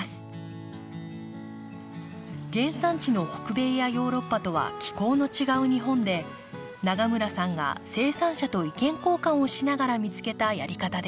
原産地の北米やヨーロッパとは気候の違う日本で永村さんが生産者と意見交換をしながら見つけたやり方です。